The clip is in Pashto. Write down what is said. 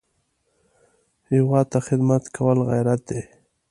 هېواد ته خدمت کول غیرت دی